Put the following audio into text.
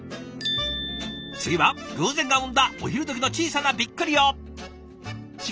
次は偶然が生んだお昼どきの小さなビックリを。